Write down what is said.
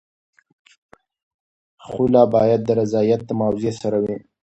خلع باید د رضایت او معاوضې سره وي.